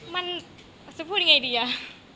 มันจะพูดยังไงดีอะ